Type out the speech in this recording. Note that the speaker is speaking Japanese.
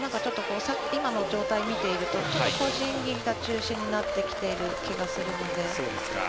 今の状態を見ていると個人技が中心になってきている気がするので。